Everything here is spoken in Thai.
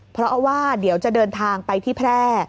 เพราะว่าเดี๋ยวจะเดินทางไปที่แพร่